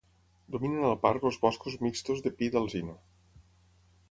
Dominen al parc els boscos mixtos de pi i d'alzina.